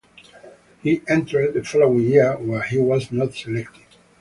He entered the following year where he was not selected.